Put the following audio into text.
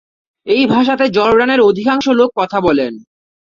এই ভাষাতে জর্ডানের অধিকাংশ লোক কথা বলেন।